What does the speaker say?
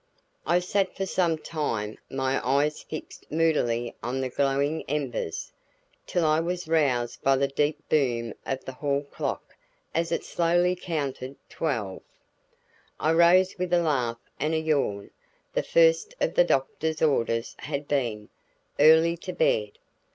I sat for some time my eyes fixed moodily on the glowing embers, till I was roused by the deep boom of the hall clock as it slowly counted twelve. I rose with a laugh and a yawn. The first of the doctor's orders had been, "Early to bed!"